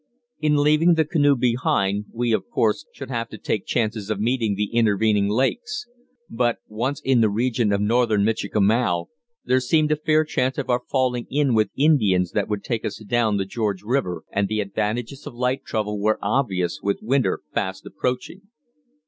In leaving the canoe behind, we, of course, should have to take chances on meeting intervening lakes; but, once in the region of northern Michikamau, there seemed a fair chance of our falling in with Indians that would take us down the George River, and the advantages of light travel were obvious with winter fast approaching.